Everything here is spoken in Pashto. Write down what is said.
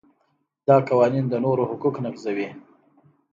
دا قوانین د نورو حقوق نقضوي.